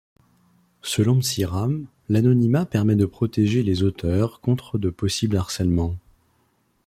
Selon Psiram, l'anonymat permet de protéger les auteurs contre de possibles harcèlements.